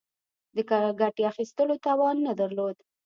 د ګټې اخیستلو توان نه درلود.